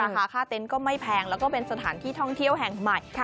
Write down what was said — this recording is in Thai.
ค่าเต็นต์ก็ไม่แพงแล้วก็เป็นสถานที่ท่องเที่ยวแห่งใหม่